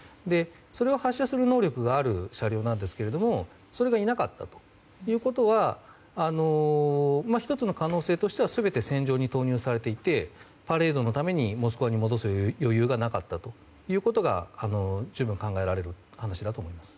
それを発射するための車両なんですがそれがいなかったということは１つの可能性としては全て戦場に投入されていてパレードのためにモスクワに戻す余裕がなかったということも十分考えられる話だと思います。